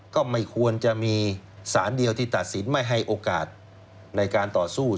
ก็ไม่ควรจะมีสารเดียวที่ตัดสินไม่ให้โอกาสในการต่อสู้